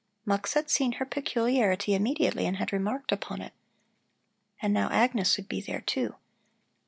Mux had seen her peculiarity immediately and had remarked upon it. And now Agnes would be there, too.